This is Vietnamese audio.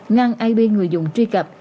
ngăn ip người dùng truy cập